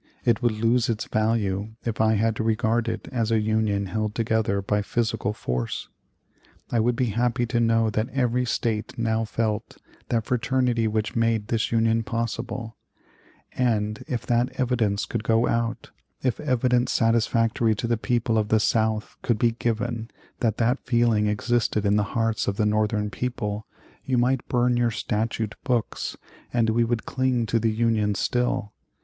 It would lose its value if I had to regard it as a Union held together by physical force. I would be happy to know that every State now felt that fraternity which made this Union possible; and, if that evidence could go out, if evidence satisfactory to the people of the South could be given that that feeling existed in the hearts of the Northern people, you might burn your statute books and we would cling to the Union still.